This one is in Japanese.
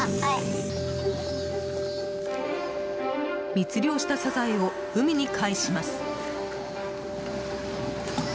密漁したサザエを海にかえします。